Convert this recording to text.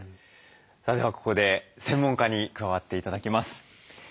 さあではここで専門家に加わって頂きます。